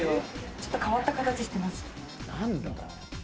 ちょっと変わった形をしています。